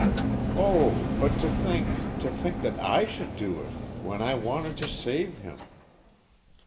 "Oh h but to think to think that I should do it when I wanted to save him!